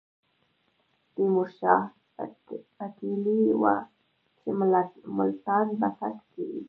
تیمور شاه پتېیلې وه چې ملتان به فتح کوي.